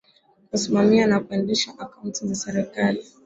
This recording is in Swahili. kusimamia na kuendesha akaunti za serikali